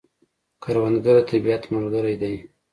کروندګر د طبیعت ملګری دی